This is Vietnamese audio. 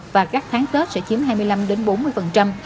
và các tháng tết sẽ chiếm hai mươi năm bốn mươi